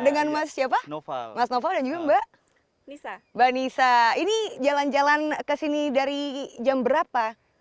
dengan mas siapa mas noval dan juga mbak nisa mbak nisa ini jalan jalan ke sini dari jam berapa